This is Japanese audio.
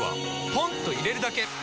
ポンと入れるだけ！